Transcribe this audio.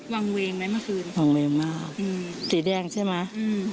วางเวงไหมเมื่อคืนวางเวงมากอืมสีแดงใช่ไหมอืม